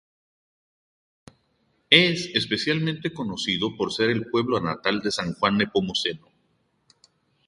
Es especialmente conocido por ser el pueblo natal de San Juan Nepomuceno.